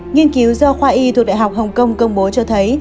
nghiên cứu do khoa y thuộc đại học hồng kông công bố cho thấy